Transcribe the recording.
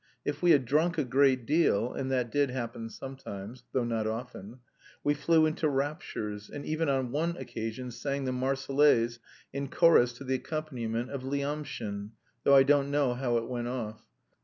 If we had drunk a great deal and that did happen sometimes, though not often we flew into raptures, and even on one occasion sang the "Marseillaise" in chorus to the accompaniment of Lyamshin, though I don't know how it went off.